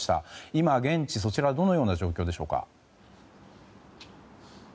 今、現地どのような状況でしょうか。